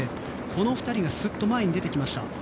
この２人がすっと前に出てきました。